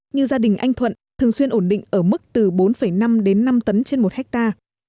như gia đình anh thuận thường xuyên ổn định ở mức từ bốn năm đến năm tấn trên một hectare